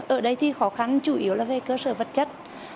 ở đây thì khó khăn chủ yếu là về cơ sở vật chất